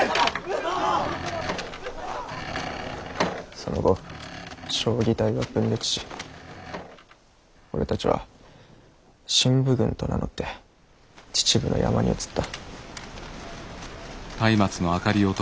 その後彰義隊は分裂し俺たちは振武軍と名乗って秩父の山に移った。